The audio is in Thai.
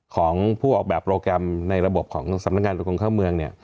ของผู้ออกแบบโปรแกรมในระบบของสำนักงานตรวจคนเข้าเมืองเนี่ย